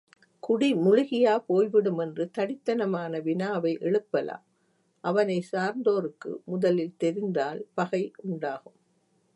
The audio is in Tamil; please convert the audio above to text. குடி முழுகியா போய்விடும் என்று தடித்தனமான வினாவை எழுப்பலாம் அவனைச் சார்ந்தோருக்கு முதலில் தெரிந்தால் பகை உண்டாகும்.